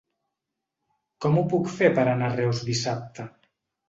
Com ho puc fer per anar a Reus dissabte?